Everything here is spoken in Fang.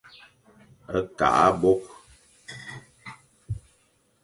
Kakh abôkh.